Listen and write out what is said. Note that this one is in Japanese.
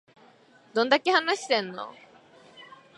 どんだけ話してんの